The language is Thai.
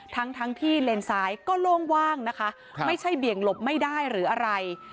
ทั้งทั้งที่เลนซ้ายก็โล่งว่างนะคะไม่ใช่เบี่ยงหลบไม่ได้หรืออะไร